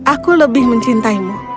aku lebih mencintaimu